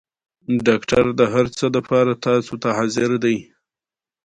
آیا د پښتنو په کلتور کې د نوم ساتل مهم نه دي؟